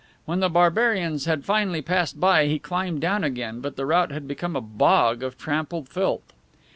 When the barbarians had finally passed by he climbed down again, but the route had become a bog of trampled filth.